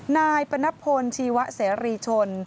นายปนพลชีวะเสรีชน